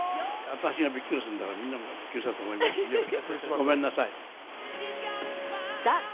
私がびっくりするんだから、みんなびっくりしたと思います。